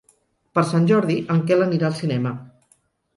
Per Sant Jordi en Quel anirà al cinema.